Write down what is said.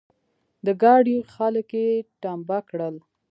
د ګاډي خلګ يې ټمبه کړل.